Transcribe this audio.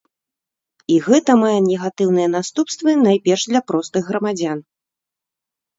І гэта мае негатыўныя наступствы найперш для простых грамадзян.